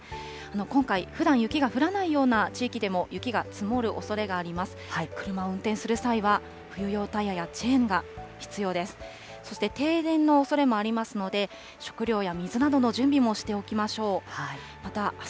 今回、ふだん雪が降らないような地域でも雪が積もるおそれがあります。